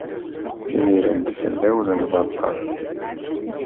Gren-d fell-awent lbaṭel.